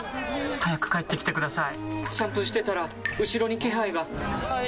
早く帰ってきてください！